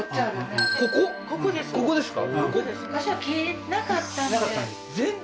ここですか？